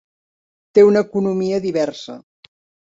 Té una economia diversa.